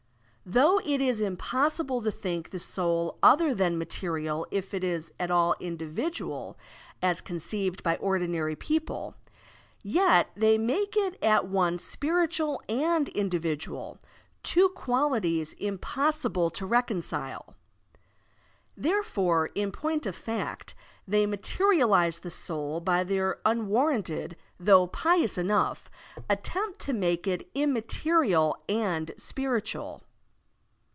Though it is impossible to think the soul other than material if it is at all individual as conceived by ordinary people, yet they make it at once spiritual and individual — two qualities impossible to recon cile. Therefore, in point of fact, they materialize the soul by their unwarranted — though pious enough — attempt to make it immaterial and Spiritual.